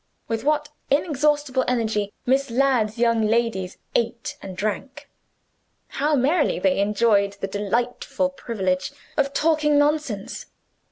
With what inexhaustible energy Miss Ladd's young ladies ate and drank! How merrily they enjoyed the delightful privilege of talking nonsense!